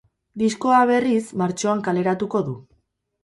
Diskoa, berriz, martxoan kaleratuko du.